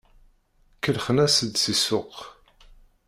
Kellxen-as-d si ssuq.